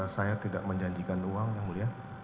saya tidak menjanjikan uang yang mulia